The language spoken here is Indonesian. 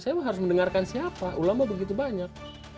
saya harus mendengarkan siapa ulama begitu banyak